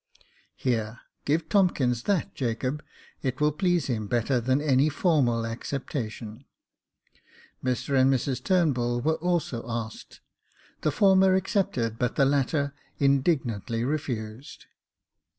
"" Here, give Tomkias that, Jacob 1, it will please him better than any formal acceptation." Mr and Mrs Turn bull were also asked : the former accepted, but the latter indignantly refused.